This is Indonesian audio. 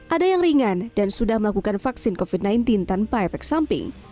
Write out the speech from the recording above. ada yang ringan dan sudah melakukan vaksin covid sembilan belas tanpa efek samping